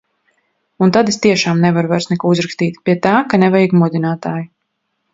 Un tad es tiešām nevaru vairs neko uzrakstīt. Pie tā, ka nevajag modinātāju.